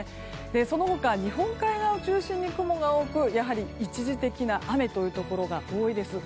その他日本海側を中心に雲が多くやはり一時的な雨というところが多いです。